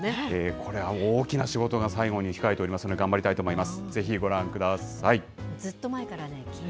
これは大きな仕事が最後に控えておりますので、頑張りたいと思います。